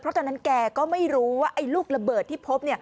เพราะตอนนั้นแกก็ไม่รู้ว่าไอ้ลูกระเบิดที่พบ